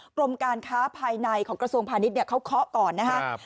กรมการค้าภายในของกระทรวงพาณิชย์เขาเคาะก่อนนะครับ